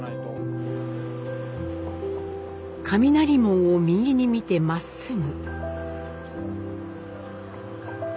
雷門を右に見てまっすぐ。